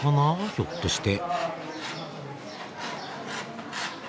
ひょっとして。